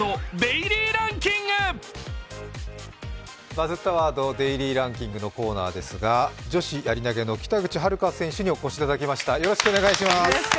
「バズったワードデイリーランキング」のコーナーですが女子やり投げの北口榛花選手にお越しいただきました。